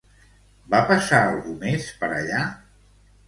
Va passar algú més per allà?